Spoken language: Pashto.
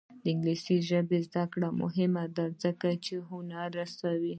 د انګلیسي ژبې زده کړه مهمه ده ځکه چې هنر رسوي.